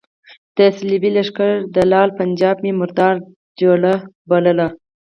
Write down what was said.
د صلیبي لښکر دلال پنجاب مې مردار جړ بللو.